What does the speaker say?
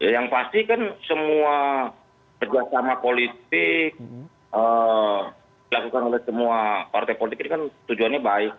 yang pasti kan semua kerjasama politik dilakukan oleh semua partai politik ini kan tujuannya baik